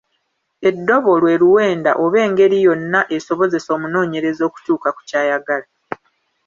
Eddobo lwe luwenda oba engeri yonna esobozesa omunoonyereza okutuuka ku ky’ayagala.